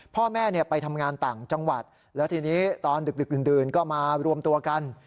พ่อแม่ไปทำงานต่างจังหวัดแล้วทีนี้ตอนดึกดื่นก็มารวมตัวกัน